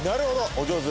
お上手。